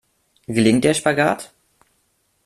Gelingt der Spagat?